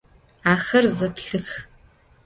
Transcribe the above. Axer zeplhıx.